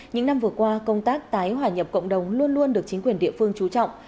những năm vừa qua công tác tái hòa nhập cộng đồng luôn luôn được chính quyền địa phương trú trọng